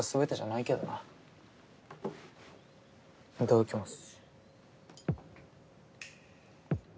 いただきます。